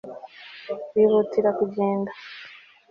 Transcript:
bihutira kugenda